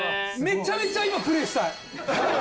めちゃめちゃ今プレイしたい。